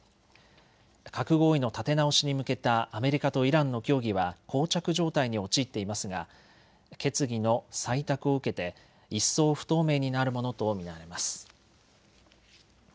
核合意の立て直しに向けたアメリカとイランの協議はこう着状態に陥っていますが決議の採択を受けて一層不透明になるものと見られます。